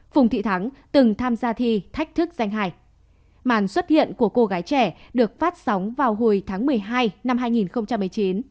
phùng thị thắng từng tham gia thi thách thức danh hải màn xuất hiện của cô gái trẻ được phát sóng vào hồi tháng một mươi hai năm hai nghìn một mươi chín